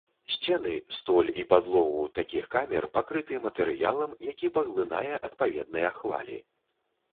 Сцены, столь і падлогу такіх камер пакрыты матэрыялам, які паглынае адпаведныя хвалі.